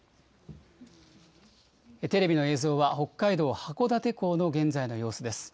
テレビの映像は北海道函館港の現在の様子です。